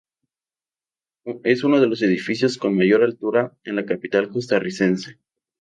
Es uno de los edificios con mayor altura en la capital costarricense.